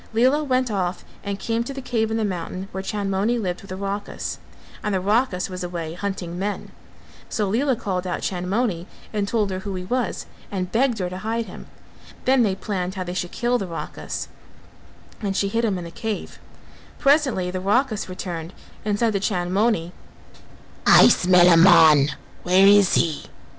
Lela went off and came to the cave in the mountain where Chandmoni lived with the Rakhas; and the Rakhas was away hunting men, so Lela called out Chandmoni and told her who he was and begged her to hide him; then they planned how they should kill the Rakhas, and she hid him in the cave; presently the Rakhas returned and said to Chandmoni "I smell a man: where is he?"